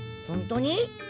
ほんとに？